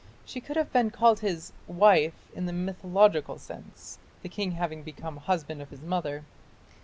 She could have been called his "wife" in the mythological sense, the king having become "husband of his mother".